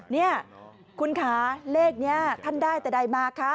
นี่คุณค่ะเลขนี้ท่านได้แต่ใดมาคะ